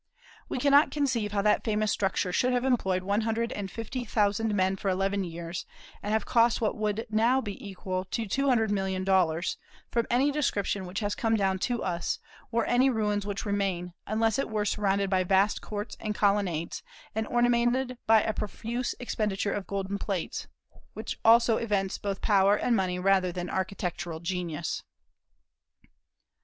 We cannot conceive how that famous structure should have employed one hundred and fifty thousand men for eleven years, and have cost what would now be equal to $200,000,000, from any description which has come down to us, or any ruins which remain, unless it were surrounded by vast courts and colonnades, and ornamented by a profuse expenditure of golden plates, which also evince both power and money rather than architectural genius.